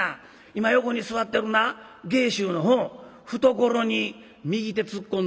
今横に座ってるな芸衆の懐に右手突っ込んどるがな。